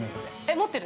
◆持ってる。